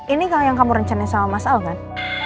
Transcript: ini kalau yang kamu rencanain sama mas al kan